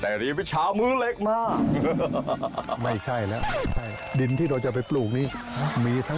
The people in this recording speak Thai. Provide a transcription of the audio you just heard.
เอ้าเชิญปลูกป่ากัน